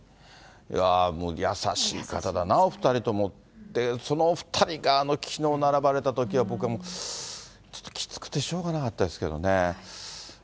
うわぁ、優しい方だな、お２人ともって、そのお２人がきのう並ばれたときは、僕はもう、ちょっときつくてしょうがなかったですけどね。